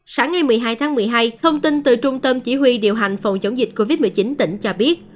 sáng ngày một mươi hai tháng một mươi hai thông tin từ trung tâm chỉ huy điều hành phòng chống dịch covid một mươi chín tỉnh cho biết